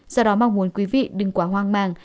do đó mong muốn quý vị đừng quả hoang mang